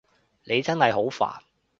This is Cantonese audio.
你真係好煩